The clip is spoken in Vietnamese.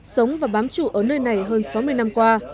sống và bám trụ ở nơi này hơn sáu mươi năm qua